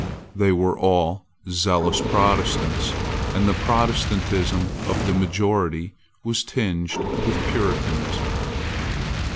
They were all zealous Protestants; and the Protestantism of the majority was tinged with Puritanism.